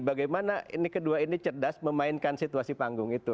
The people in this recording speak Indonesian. bagaimana ini kedua ini cerdas memainkan situasi panggung itu